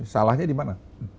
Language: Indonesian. salahnya di mana